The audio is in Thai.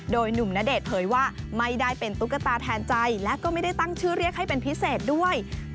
โดยหนุ่มณเดชน์เผยว่าไม่ได้เป็นตุ๊กตาแทนใจและก็ไม่ได้ตั้งชื่อเรียกให้เป็นพิเศษด้วย